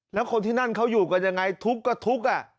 แล้วคนที่นั่นเขาอยู่กันยังไงทุกข์ก็ทุกข์